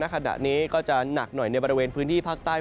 ขณะนี้ก็จะหนักหน่อยในบริเวณพื้นที่ภาคใต้